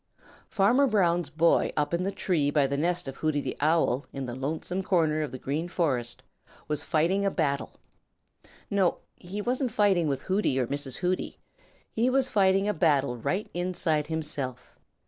Farmer Brown's boy, up in the tree by the nest of Hooty the Owl in the lonesome corner of the Green Forest, was fighting a battle. No, he wasn't fighting with Hooty or Mrs. Hooty. He was fighting a battle right inside himself.